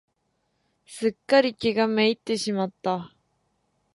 すっかり気が滅入ってしまった。